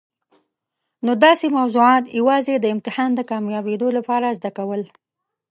نو داسي موضوعات یوازي د امتحان کامیابېدو لپاره زده کول.